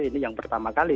ini yang pertama kali